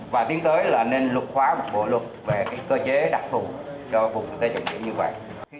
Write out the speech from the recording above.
và tiến tới là nên luật hóa một bộ luật về cơ chế đặc thù cho vùng kinh tế trọng điểm như vậy